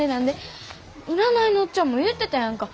占いのおっちゃんも言うてたやんか。